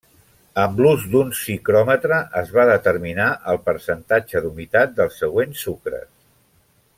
Amb l'ús d'un psicròmetre es va determinar el percentatge d'humitat dels següents sucres.